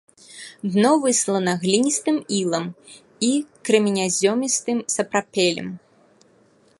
Дно выслана гліністым ілам і крэменязёмістым сапрапелем.